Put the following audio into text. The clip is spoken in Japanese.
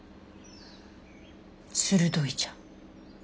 鋭いじゃん。